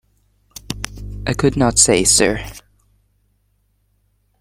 I could not say, sir.